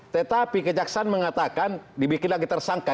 tetapi kejaksaan mengatakan dibikin lagi tersangka